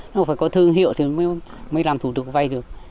nó phải có thương hiệu thì mới làm thủ tục vay được